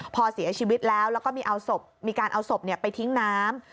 พอเสียชีวิตแล้วแล้วก็มีเอาศพมีการเอาศพไปทิ้งน้ำ